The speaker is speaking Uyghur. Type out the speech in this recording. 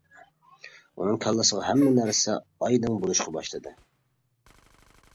ئۇنىڭ كاللىسىغا ھەممە نەرسە ئايدىڭ بولۇشقا باشلىدى.